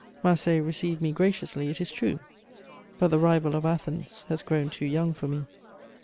Marseilles received me graciously, it is true; but the rival of Athens has grown too young for me.